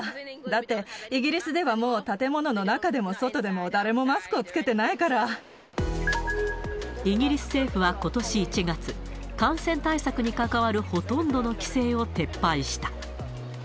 だって、イギリスではもう、建物の中でも外でも、誰もマスクイギリス政府はことし１月、感染対策に関わるほとんどの規制を撤廃した。